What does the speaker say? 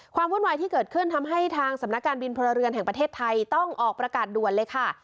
วุ่นวายที่เกิดขึ้นทำให้ทางสำนักการบินพลเรือนแห่งประเทศไทยต้องออกประกาศด่วนเลยค่ะ